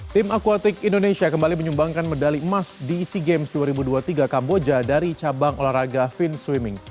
tim aquatic indonesia kembali menyumbangkan medali emas di sea games dua ribu dua puluh tiga kamboja dari cabang olahraga fin swimming